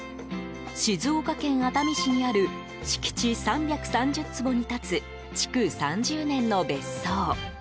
静岡県熱海市にある敷地３３０坪に建つ築３０年の別荘。